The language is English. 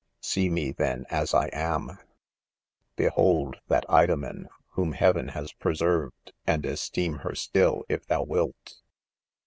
_' i See me, then* as I am !— Behold that Ido men whom heaven has preserved, and esteem her stillj, if thou wilt.